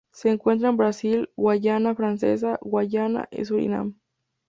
Se encuentra en Brasil, Guayana Francesa, Guayana y Surinam.